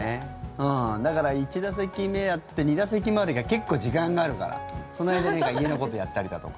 だから、１打席目やって２打席目までが結構、時間があるから、その間に家のことやったりだとか。